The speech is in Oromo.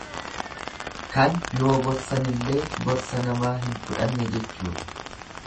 Kan yoo gorsanillee gorsa namaa hin fudhanne jechuudha.